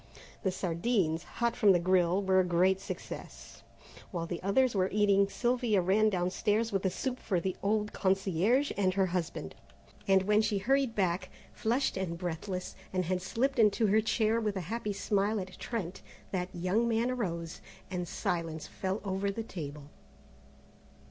The sardines, hot from the grille, were a great success. While the others were eating Sylvia ran downstairs with the soup for the old concierge and her husband, and when she hurried back, flushed and breathless, and had slipped into her chair with a happy smile at Trent, that young man arose, and silence fell over the table.